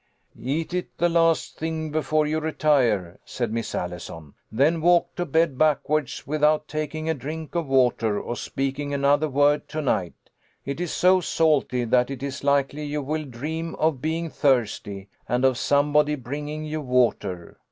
" Eat it the last thing before you retire," said Miss Allison. "Then walk to bed backwards with out taking a drink of water or speaking another word to night. It is so salty that it is likely you will dream of being thirsty, and of somebody bringing you water.